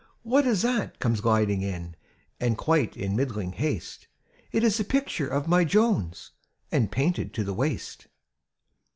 what is that comes gliding in, And quite in middling haste? It is the picture of my Jones, And painted to the waist.